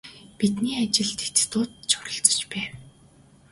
Бидний ажилд хятадууд ч оролцож байв.